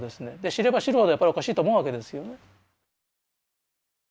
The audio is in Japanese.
知れば知るほどやっぱりおかしいと思うわけですよね。